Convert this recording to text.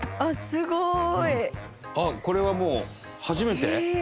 伊達：これは、もう初めて？